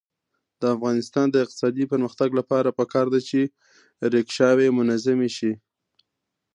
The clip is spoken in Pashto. د افغانستان د اقتصادي پرمختګ لپاره پکار ده چې ریکشاوې منظمې شي.